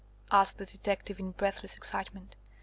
asked the detective in breathless excitement.